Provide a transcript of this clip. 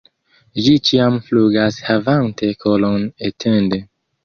Ĝi ĉiam flugas havante kolon etende.